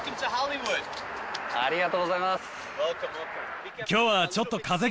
ありがとうございます！